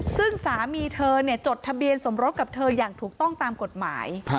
ซึ่งสามีเธอจดทะเบียนสมรสกับเธออย่างถูกต้องตามกฎหมาย